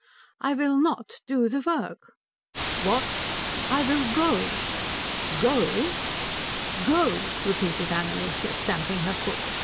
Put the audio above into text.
"I will not do the work." "What!" "I will go." "Go?" "Go," repeated Annalise, stamping her foot.